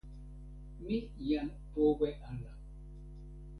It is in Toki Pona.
mi jan powe ala.